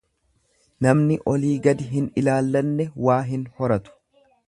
Namni olii gadi hin ilaallanne waa hin hubatu.